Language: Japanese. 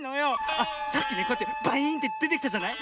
あっさっきこうやってバイーンってでてきたじゃない？